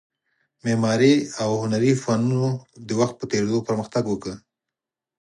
معماري او هنري فنونو د وخت په تېرېدو پرمختګ وکړ